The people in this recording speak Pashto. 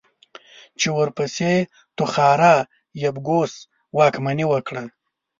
چې ورپسې توخارا يبگوس واکمني وکړه.